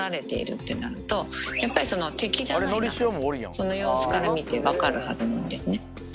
その様子から見て分かるはずなんですね。